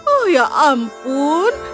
oh ya ampun